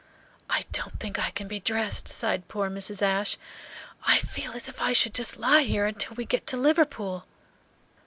"I don't think I can be dressed," sighed poor Mrs. Ashe. "I feel as if I should just lie here till we get to Liverpool."